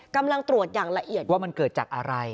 กำลังตรวจอย่างละเอียดว่ามันเกิดจากอะไร